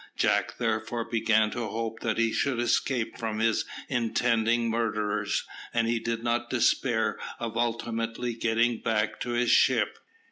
Jack therefore began to hope that he should escape from his intending murderers, and he did not despair of ultimately getting back to his ship.